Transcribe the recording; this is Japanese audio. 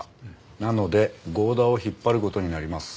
なので剛田を引っ張る事になります。